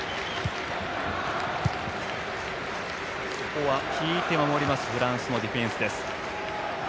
ここは引いて守るフランスのディフェンスです。